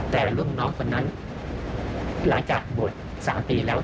แต่รุ่นน้องคนนั้นหลังจากบวช๓ปีแล้ว